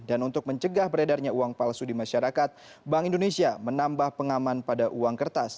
dan untuk mencegah beredarnya uang palsu di masyarakat bank indonesia menambah pengaman pada uang kertas